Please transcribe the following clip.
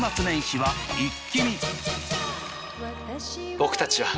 僕たちは。